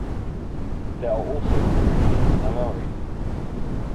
There are also three in the "nagari".